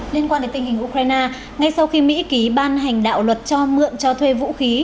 liên quan đến tình hình ukraine ngay sau khi mỹ ký ban hành đạo luật cho mượn cho thuê vũ khí